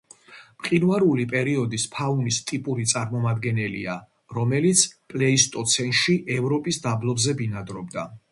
მყინვარული პერიოდის ფაუნის ტიპური წარმომადგენელია, რომელიც პლეისტოცენში ევროპის დაბლობზე ბინადრობდა.